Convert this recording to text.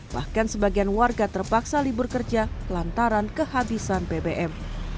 bahkan sebagian warga terpaksa libur kerja lantaran kehabisan bbm